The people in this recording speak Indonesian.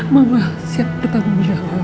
mama siap bertanggung jawab